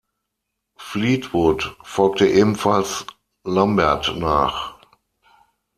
Fleetwood folgte ebenfalls Lambert nach.